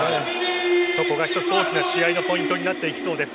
そこが一つ大きな試合のポイントになっていきそうです。